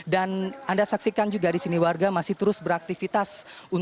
dan anda saksikan juga di sini warga masih terus beraktivitas